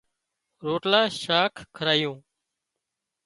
روٽلا شاک کارايون